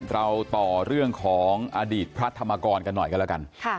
เราต่อเรื่องของอดีตพระธรรมกรกันหน่อยกันแล้วกัน